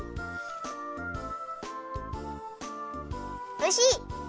おいしい！